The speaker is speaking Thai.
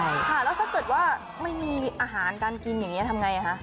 ใช่ค่ะแล้วถ้าเกิดว่าไม่มีอาหารการกินอย่างนี้ทำไงคะ